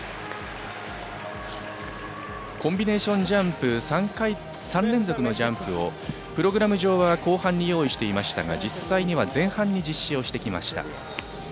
コンビネーションジャンプ３連続のジャンプをプログラム上は後半に用意していましたが実際には前半に実施してきました。